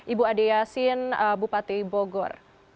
ibu ade yasin bupati bogor